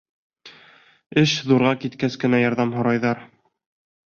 Эш ҙурға киткәс кенә ярҙам һорайҙар.